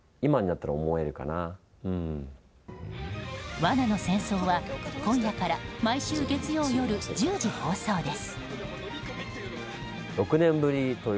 「罠の戦争」は、今夜から毎週月曜夜１０時放送です。